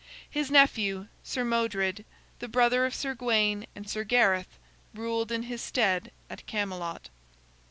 His nephew, Sir Modred, the brother of Sir Gawain and Sir Gareth, ruled in his stead at Camelot.